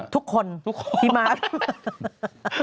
ทุกคนพี่ม้าทุกคน